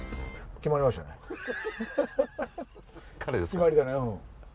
決まりだね。